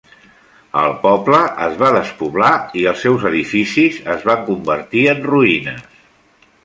El poble es va despoblar, i els seus edificis es van convertir en ruïnes.